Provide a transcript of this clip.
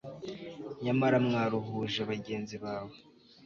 nyamara mwaruhuje bagenzi bawe